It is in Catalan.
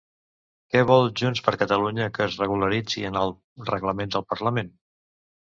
Què vol Junts per Catalunya que es regularitzi en el reglament del Parlament?